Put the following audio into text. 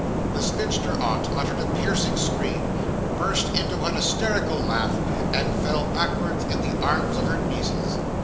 The spinster aunt uttered a piercing scream, burst into an hysteric laugh, and fell backwards in the arms of her nieces.